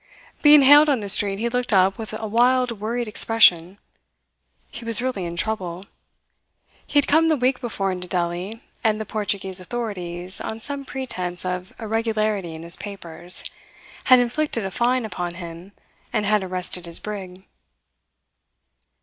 Being hailed on the street he looked up with a wild worried expression. He was really in trouble. He had come the week before into Delli and the Portuguese authorities, on some pretence of irregularity in his papers, had inflicted a fine upon him and had arrested his brig.